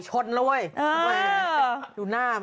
อ่อดูเลยพวกนี้ก็ใหม่แล้ว